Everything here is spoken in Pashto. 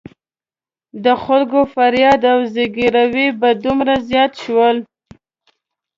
د خلکو فریاد او زګېروي به دومره زیات شول.